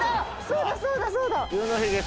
そうだそうだそうだ！